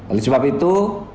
oleh sebab itu